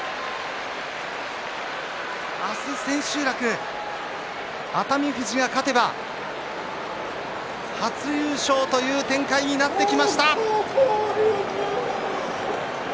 明日、千秋楽熱海富士が勝てば初優勝という展開になってきました。